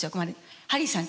ハリーさんから。